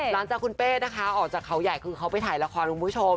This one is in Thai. หลังจากคุณเป้นะคะออกจากเขาใหญ่คือเขาไปถ่ายละครคุณผู้ชม